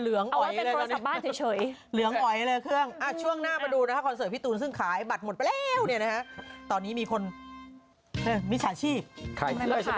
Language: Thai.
เรื่องพี่ตูนหน่อยคือ๒สามีภรรยานี่นะคะ